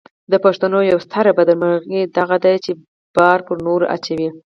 د پښتنو یوه ستره بدمرغي داده چې بار پر نورو اچوي.